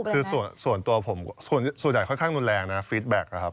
คือส่วนตัวผมส่วนใหญ่ค่อนข้างรุนแรงนะฟิตแก๊กนะครับ